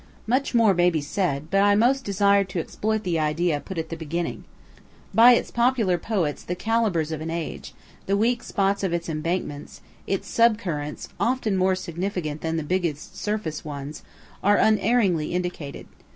'" Much more may be said, but I most desired to exploit the idea put at the beginning. By its popular poets the calibres of an age, the weak spots of its embankments, its sub currents, (often more significant than the biggest surface ones,) are unerringly indicated.